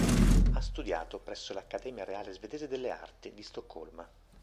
Ha studiato presso l'Accademia Reale Svedese delle Arti di Stoccolma.